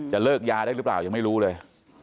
เลิกยาได้หรือเปล่ายังไม่รู้เลย